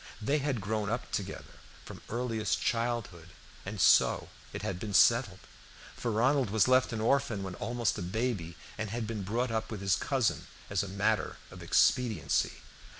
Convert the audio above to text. They had grown up together from earliest childhood, and so it had been settled; for Ronald was left an orphan when almost a baby, and had been brought up with his cousin as a matter of expediency.